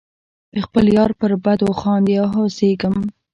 د خپل یار پر بدو خاندې او هوسیږم.